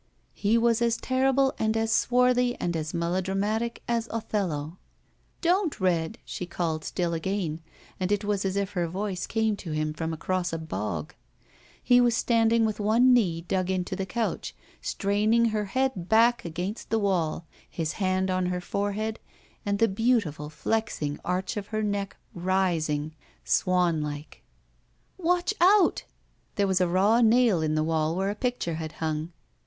He was as terrible and as swarthy and as melo dramatic as Othello. "Don't, Red," she called still again, and it was as if her voice came to him from across a bog. He was standing with one knee dug into the couch, straining her head back against the wall, his hand on her forehead and the beautiful flexing arch of her neck rising •.. swanlike. 877 ROULETTE "Watch out!" There was a raw nail in the wall where a picture had hung.